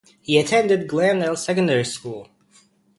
He attended Glendale Secondary School.